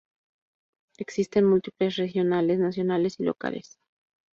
Existen múltiples regionales, nacionales y locales.